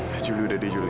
nah juli udah deh juli